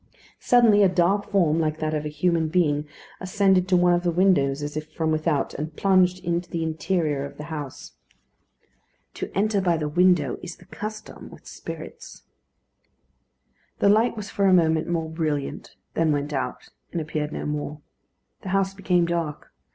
Suddenly a dark form, like that of a human being, ascended to one of the windows, as if from without, and plunged into the interior of the house. To enter by the window is the custom with spirits. The light was for a moment more brilliant, then went out, and appeared no more. The house became dark.